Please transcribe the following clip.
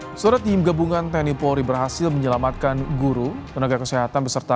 hai surat tim gabungan teknik polri berhasil menyelamatkan guru tenaga kesehatan beserta